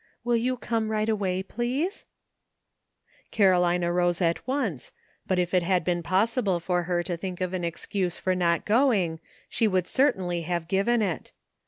Will you come right away, please ?" Caroline arose at once, but if it had been possible for her to think of an excuse for not going she would certainly have given it.